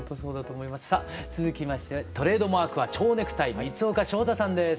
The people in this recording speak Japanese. さあ続きましてトレードマークは「蝶ネクタイ」三丘翔太さんです。